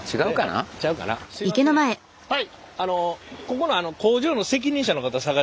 はい。